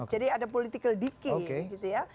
jadi ada political decay gitu ya